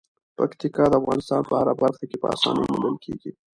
پکتیکا د افغانستان په هره برخه کې په اسانۍ موندل کېږي.